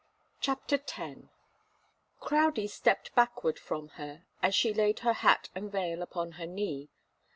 CHAPTER X. Crowdie stepped backward from her, as she laid her hat and veil upon her knee.